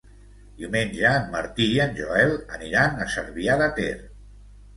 Diumenge en Martí i en Joel aniran a Cervià de Ter.